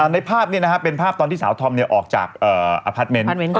ในภาพนี้นะครับเป็นภาพตอนที่สาวธอมออกจากอพาร์ทเมนต์